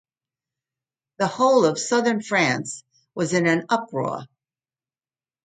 The whole of southern France was in uproar.